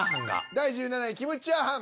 第１７位キムチチャーハン。